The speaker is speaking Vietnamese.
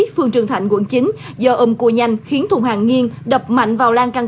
phường trường thạnh quận chín tp hcm thì bất ngờ thùng xe đập mạnh vào lan can